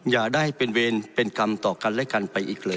อย่าได้เป็นเวรเป็นกรรมต่อกันและกันไปอีกเลย